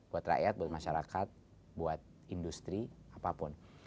buat rakyat buat masyarakat buat industri apapun